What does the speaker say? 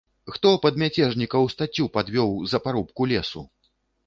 Хто пад мяцежнікаў стаццю падвёў за парубку лесу?